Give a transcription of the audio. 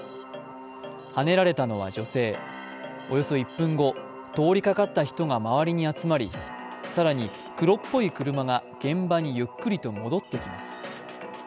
はねられたのは女性、およそ１分後、通りかかった人が周りに集まり更に、黒っぽい車が現場にゆっくりと戻ってきます。